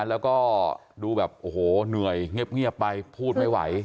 แล้วก็ดูแบบโอ้โหเหนื่อยเงียบไปพูดไม่ไหว